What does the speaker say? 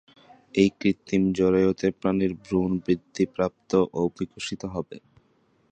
এই কৃত্রিম জরায়ুতে প্রাণীর ভ্রূণ বৃদ্ধিপ্রাপ্ত ও বিকশিত হবে।